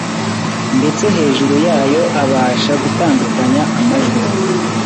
ndetse hejuru yayo abasha gutandukanya amajwi